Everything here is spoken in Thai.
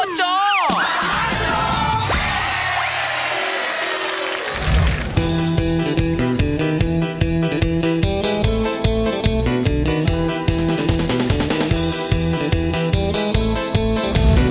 อาเงีย